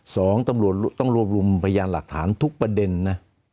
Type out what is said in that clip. ตำรวจต้องรวบรวมพยานหลักฐานทุกประเด็นนะ